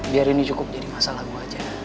biar ini cukup jadi masalah gue aja